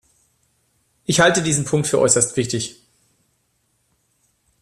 Ich halte diesen Punkt für äußerst wichtig.